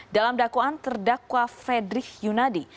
dalam dakwaan terdakwa fredrik yunadi